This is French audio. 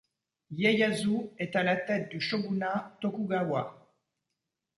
Ieyasu est à la tête du shogunat Tokugawa.